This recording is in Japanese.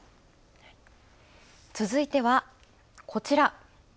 続いては、こちら。